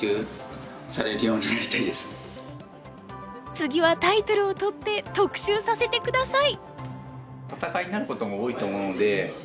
次はタイトルを獲って特集させて下さい！